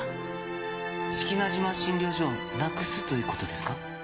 志木那島診療所をなくすということですか？